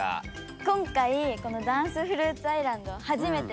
今回このダンスフルーツアイランドははじめて。